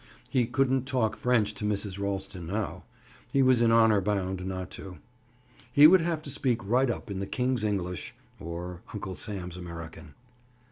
He couldn't talk French to Mrs. Ralston now; he was in honor bound not to. He would have to speak right up in the King's English—or Uncle Sam's American.